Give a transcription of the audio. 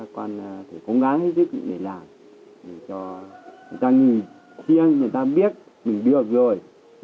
con sẽ cố gắng hết tích để làm để cho người ta nhìn riêng người ta biết mình được rồi